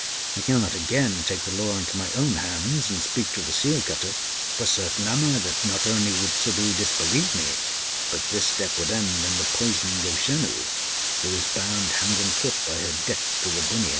I cannot again take the law into my own hands, and speak to the seal cutter; for certain am I that, not only would Suddhoo disbelieve me, but this step would end in the poisoning of Janoo, who is bound hand and foot by her debt to the bunnia.